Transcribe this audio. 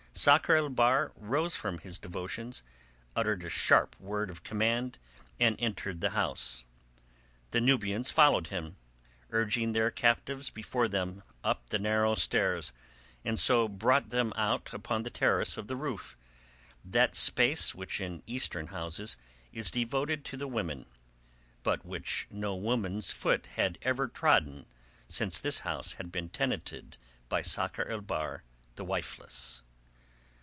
Sakr el Bahr rose from his devotions, uttered a sharp word of command, and entered the house. The Nubians followed him, urging their captives before them up the narrow stairs, and so brought them out upon the terrace on the roof, that space which in Eastern houses is devoted to the women, but which no woman's foot had ever trodden since this house had been tenanted by Sakr el Bahr the wifeless.